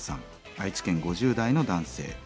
愛知県５０代の男性。